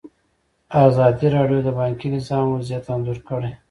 ازادي راډیو د بانکي نظام وضعیت انځور کړی.